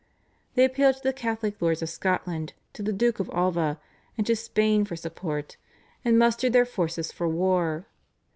They appealed to the Catholic lords of Scotland, to the Duke of Alva, and to Spain for support, and mustered their forces for war.